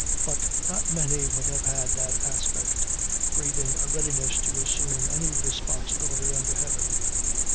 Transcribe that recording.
But not many would have had that aspect breathing a readiness to assume any responsibility under Heaven.